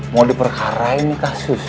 mau diperkarain kasus